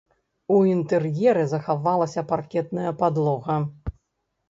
У інтэр'еры захавалася паркетная падлога.